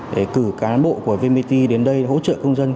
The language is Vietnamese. để cử cán bộ của vmpt đến đây hỗ trợ công dân